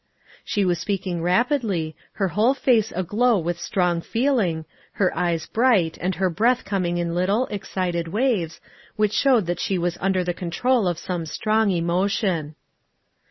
She was speaking rapidly, her whole face aglow with strong feeling, her eyes bright and her breath coming in little, excited waves, which showed that she was under the control of some strong emotion.